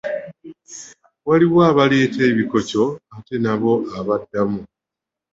Waliwo abaleeta "ebikoco" ate n’abo abaddamu.